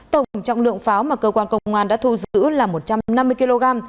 tổng trọng lượng pháo mà cơ quan công an đã thu giữ là một trăm năm mươi kg